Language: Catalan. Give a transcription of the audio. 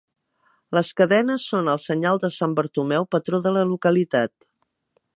Les cadenes són el senyal de sant Bartomeu, patró de la localitat.